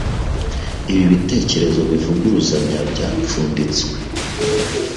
Ibi bitekerezo bivuguruzanya byapfunditswe